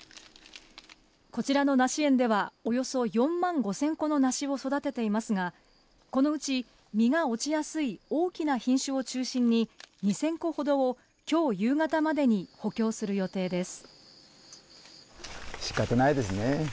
こちらの梨園ではおよそ４万５０００個の梨を育てていますが、このうち、実が落ちやすい大きな品種を中心に２０００個ほどを今日夕方までに補強する予定です。